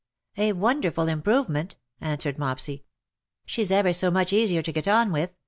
^'A wonderful improvement/^ answered Mopsy. " She^s ever so much easier to get on with.